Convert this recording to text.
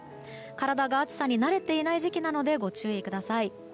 体が暑さに慣れていない時期なのでご注意ください。